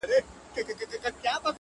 پر کهاله باندي یې زېری د اجل سي!!